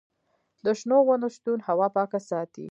د شنو ونو شتون هوا پاکه ساتي.